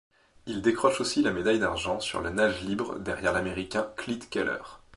Il décroche aussi la médaille d'argent sur le nage libre derrière l'Américain Klete Keller.